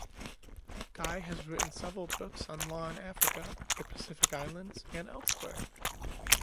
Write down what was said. Ghai has written several books on law in Africa, the Pacific islands, and elsewhere.